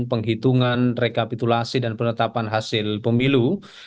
penghitungan rekapitulasi dan penetapan hasilnya